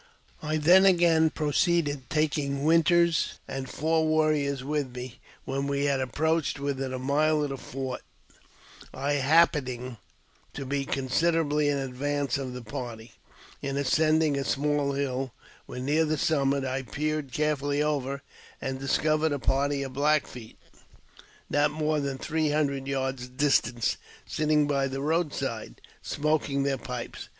I then again proceeded^ taking Winters and four warriors with me. When we had ap proached within a mile of the fort, I happening to be consider ably in advance of the party, in ascending a small hill, when near the summit, I peered carefully over, and discovered a party of Black Feet, not more than three hundred yards distant, sitting by the roadside, smoking their pipes.